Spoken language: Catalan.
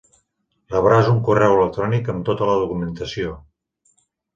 Rebràs un correu electrònic amb tota la documentació.